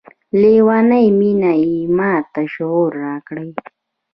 لیونۍ میني یې ماته شعور راکړی